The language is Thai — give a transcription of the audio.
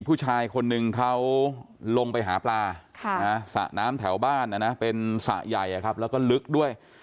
ผู้ชายคนนึงเขาลงไปหาปลาสระน้ำแถวบ้านเป็นสระใหญ่แล้วก็ลึกด้วย